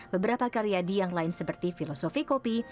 beberapa karyadi yang lain seperti filosofi kopi